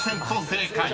［正解！